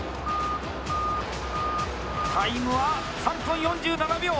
タイムは３分４７秒！